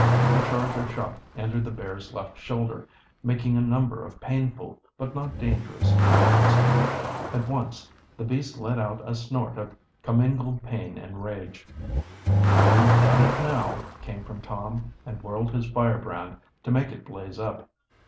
The charge of shot entered the bear's left shoulder, making a number of painful, but not dangerous, wounds. At once the beast let out a snort of commingled pain and rage. "You've done it now," came from Tom, and whirled his firebrand, to make it blaze up.